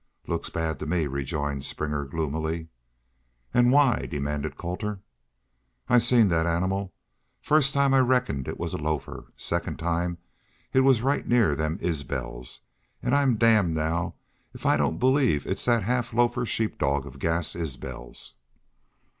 "Looks bad to me," rejoined Springer, gloomily. "An' why?" demanded Colter. "I seen thet animal. Fust time I reckoned it was a lofer. Second time it was right near them Isbels. An' I'm damned now if I don't believe it's thet half lofer sheep dog of Gass Isbel's."